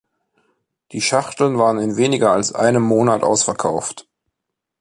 Die Schachteln waren in weniger als einem Monat ausverkauft.